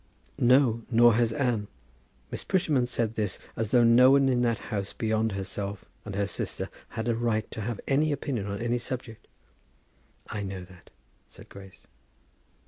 "No, nor has Anne." Miss Prettyman said this as though no one in that house beyond herself and her sister had a right to have any opinion on any subject. "I know that," said Grace.